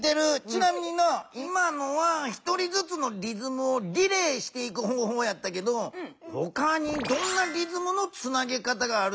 ちなみにな今のは１人ずつのリズムをリレーしていく方ほうやったけどほかにどんなリズムのつなげ方があると思う？